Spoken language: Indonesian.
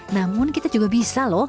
namun kita juga bisa loh